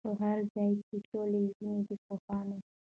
پر هر ځای چي ټولۍ وینی د پوهانو